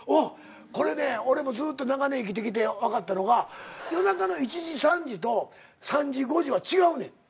これね俺もずっと長年生きてきて分かったのが夜中の１時３時と３時５時は違うねん。